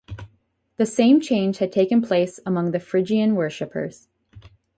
The same change had taken place among the Phrygian worshipers.